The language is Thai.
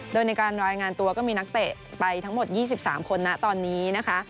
โดยในการรายงานตัวก็มีนักเตะไปทั้งหมด๒๓คนนะตอนนี้นะคะ